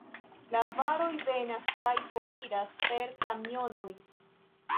La varoj venas kaj foriras per kamionoj.